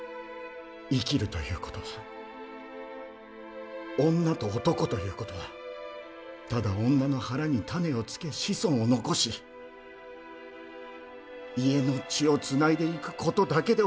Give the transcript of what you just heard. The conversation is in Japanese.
生きるということは女と男ということはただ女の腹に種をつけ子孫を残し家の血をつないでいくことだけではありますまい！